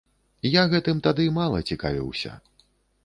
Я гэтым тады мала цікавіўся.